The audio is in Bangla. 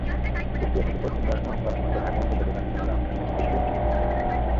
কুষ্টিয়া থেকে নবমবারের মতো ঢাকা আন্তর্জাতিক বাণিজ্য মেলায় অংশ নিয়েছে কুষ্টিয়া হস্তশিল্প।